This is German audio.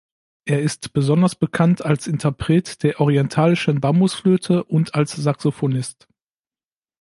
Er ist besonders bekannt als Interpret der orientalischen Bambusflöte und als Saxophonist.